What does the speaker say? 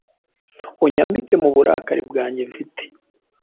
Unyambike mu burakari bwanjye mfite